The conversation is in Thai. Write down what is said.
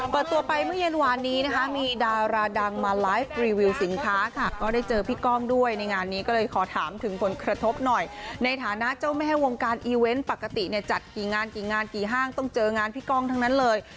เปิดตัวไปเมื่อเย็นวานนี้นะคะมีดาราดังมาไลฟ์รีวิวสินค้าค่ะก็ได้เจอพี่ก้องด้วยในงานนี้ก็เลยขอถามถึงผลกระทบหน่อยในฐานะเจ้าแม่วงการอีเวนต์ปกติเนี่ยจัดกี่งานกี่งานกี่ห้างต้องเจองานพี่ก้องทั้งนั้นเลย